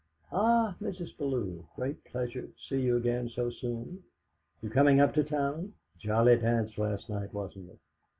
"Ah, Mrs. Bellew, great pleasure t'see you again so soon. You goin' up to town? Jolly dance last night, wasn't it?